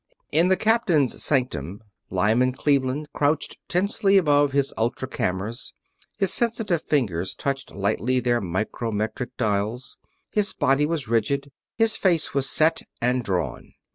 In the captain's sanctum Lyman Cleveland crouched tensely above his ultracameras, his sensitive fingers touching lightly their micrometric dials. His body was rigid, his face was set and drawn.